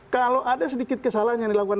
kalau ada sedikit kesalahan yang dilakukan